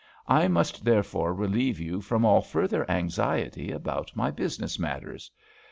I must therefore relieve you from all further anxiety about my business matters.